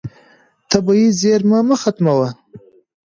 طبیعي زیرمه مه ختموه.